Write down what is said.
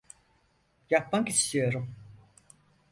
Yapmak istiyorum.